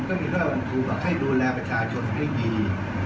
ก็ต้องมีเพื่อนธุรกิจให้ดูแลประชาชนให้ดี